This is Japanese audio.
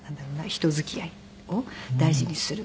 人付き合いを大事にする母でした。